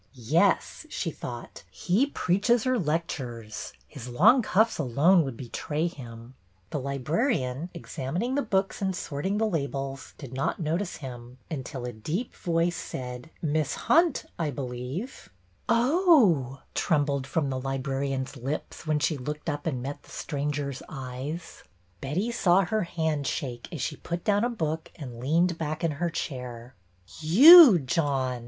Yes, she thought, he preaches or lectures; his long cuffs alone would betray him. The librarian, examining the books and sort ing the labels, did not notice him, until a deep voice said: Miss Hunt, I believe." " Oh !" trembled from the librarian's lips when 198 BETTY BAIRD'S VENTURES she looked up and met the stranger's eyes. Betty saw her hand shake as she put down a book and leaned back in her chair. ''You, John!"